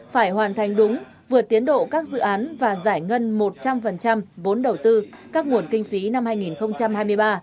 phải hoàn thành đúng vượt tiến độ các dự án và giải ngân một trăm linh vốn đầu tư các nguồn kinh phí năm hai nghìn hai mươi ba